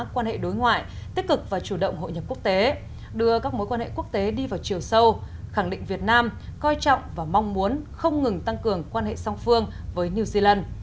quan hệ đối ngoại tích cực và chủ động hội nhập quốc tế đưa các mối quan hệ quốc tế đi vào chiều sâu khẳng định việt nam coi trọng và mong muốn không ngừng tăng cường quan hệ song phương với new zealand